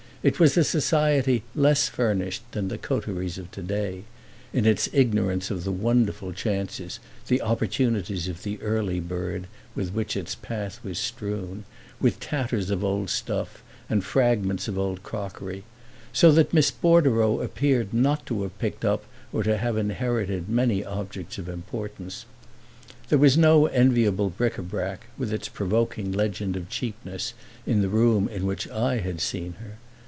It was a society less furnished than the coteries of today (in its ignorance of the wonderful chances, the opportunities of the early bird, with which its path was strewn), with tatters of old stuff and fragments of old crockery; so that Miss Bordereau appeared not to have picked up or have inherited many objects of importance. There was no enviable bric a brac, with its provoking legend of cheapness, in the room in which I had seen her.